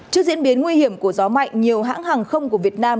trước diễn biến nguy hiểm của gió mạnh nhiều hãng hàng không của việt nam